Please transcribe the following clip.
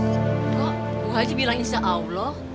kok bu haji bilang insya allah